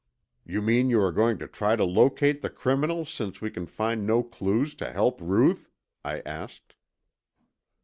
"You mean you are going to try to locate the criminal since we can find no clues to help Ruth?" I asked.